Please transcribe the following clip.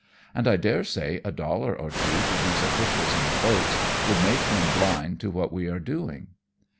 and I daresay a dollar or two to these officials in the boats would make them blind to what we were doing."